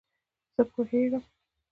زه پوهېږم !